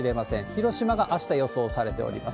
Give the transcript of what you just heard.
広島があした予想されております。